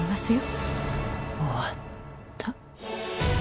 終わった。